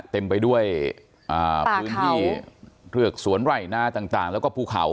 เต็มไปด้วยปลาเขาพื้นที่สวนไร่หน้าต่างแล้วก็ภูเขา